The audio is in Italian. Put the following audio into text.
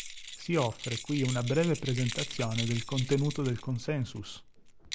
Si offre qui una breve presentazione del contenuto del Consensus.